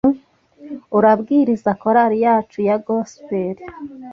Urabwiriza korari yacu ya gospel